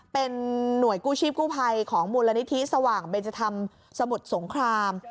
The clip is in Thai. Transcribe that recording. เป็นหน่วยกู้ชีพกู้ภัยของมูลนิธิสว่างเบนจธรรมสมุทรสงคราม